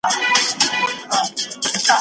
حکومت به نوي سياسي پريکړي وکړي.